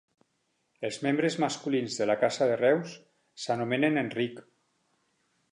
Els membres masculins de la Casa de Reuss s'anomenen Enric.